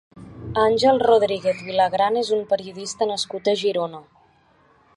Àngel Rodríguez Vilagran és un periodista nascut a Girona.